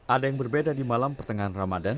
ada yang berbeda di malam pertengahan ramadan